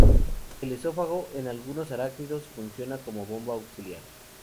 El esófago, en algunos arácnidos funciona como bomba auxiliar.